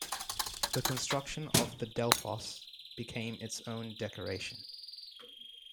The construction of the Delphos became its own decoration.